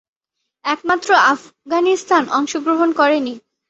একমাত্র আফগানিস্তান অংশগ্রহণ করেনি।